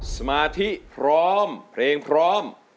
สมาธิพร้อมเพลงพร้อม